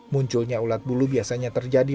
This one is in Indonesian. munculnya ulat bulu biasanya terjadi